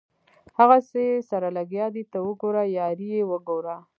هغسې سره لګیا دي ته وګوره یاري یې وګوره.